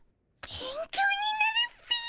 勉強になるっピィ。